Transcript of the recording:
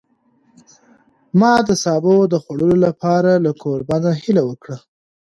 ما د سابو د خوړلو لپاره له کوربه نه هیله وکړه.